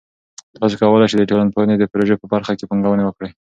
تاسې کولای سئ د ټولنپوهنې د پروژه په برخه کې پانګونه وکړئ.